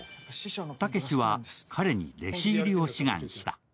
たけしは彼に弟子入りを志願した。